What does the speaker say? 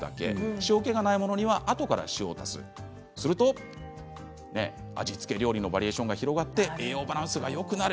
塩けがないものにはあとから足を出すすると味付け料理のバリエーションに広がって栄養バランスがよくなる。